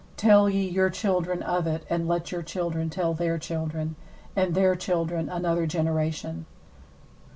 3Tell ye your children of it, and let your children tell their children, and their children another generation.